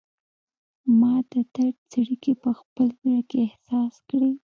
ما د درد څړیکې په خپل زړه کې احساس کړي